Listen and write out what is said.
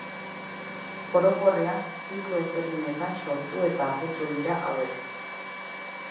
Orokorrean ziklo ezberdinetan sortu eta apurtu dira hauek.